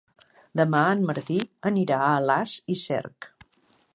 Demà en Martí anirà a Alàs i Cerc.